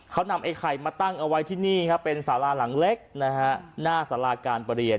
เขานำไอ้ไข่มาตั้งเอาไว้ที่นี่ครับเป็นสาราหลังเล็กนะฮะหน้าสาราการประเรียน